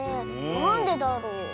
なんでだろう？